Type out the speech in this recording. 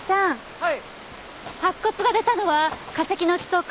はい。